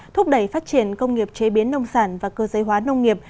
thúc đẩy phát triển công nghiệp chế biến nông sản và cơ giới hóa nông nghiệp